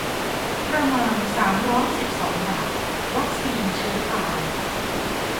ประมาณ สามร้อยสิบสอง บาท วัคซีนเชื้อตาย